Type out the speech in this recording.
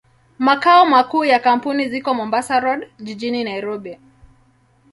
Makao makuu ya kampuni ziko Mombasa Road, jijini Nairobi.